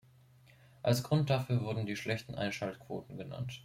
Als Grund dafür wurden die schlechten Einschaltquoten genannt.